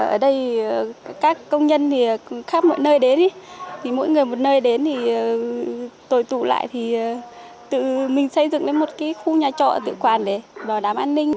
ở đây các công nhân khác mọi nơi đến mỗi người một nơi đến tồi tụ lại thì tự mình xây dựng lên một khu nhà trọ tự quản để bảo đảm an ninh